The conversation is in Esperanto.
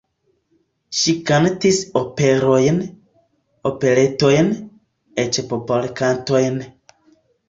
Ŝi kantis operojn, operetojn, eĉ popolkantojn.